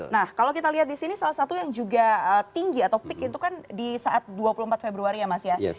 nah kalau kita lihat di sini salah satu yang juga tinggi atau peak itu kan di saat dua puluh empat februari ya mas ya